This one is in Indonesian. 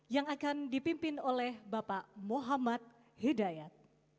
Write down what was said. yang akan dipimpin oleh bapak muhammad hidayat